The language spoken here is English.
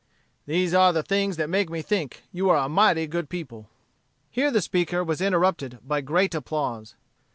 These are the things that make me think that you are a mighty good people." Here the speaker was interrupted by great applause.